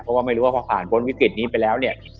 เพราะว่าไม่รู้ว่าพอผ่านพ้นวิกฤตนี้ไปแล้วเนี่ย